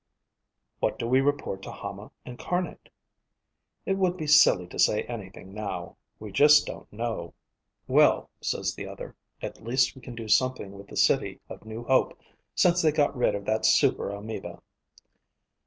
"_ "What do we report to Hama Incarnate?" "It would be silly to say anything now. We just don't know." _"Well," says the other, "at least we can do something with the City of New Hope since they got rid of that super amoeba."